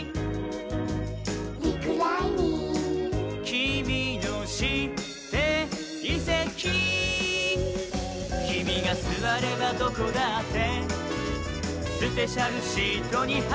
「きみのしていせき」「きみがすわればどこだってスペシャルシートにはやがわり」